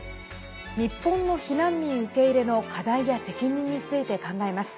日本の避難民受け入れの課題や責任について考えます。